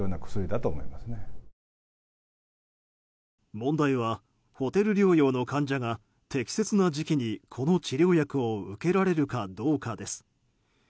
問題はホテル療養の患者が適切な時期にこの治療薬を受けられるかどうかです。